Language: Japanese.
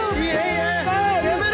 やめろ！